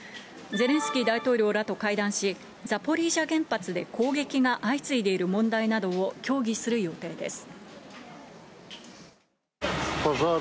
ゼレンスキー大統領らと会談し、ザポリージャ原発で攻撃が相次いでいる問題などを協議する予定です。